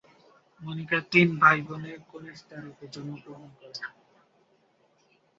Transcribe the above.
মনিকা তিন ভাইবোনের কনিষ্ঠা রূপে জন্মগ্রহণ করেন।